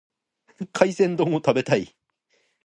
海鮮丼を食べたい。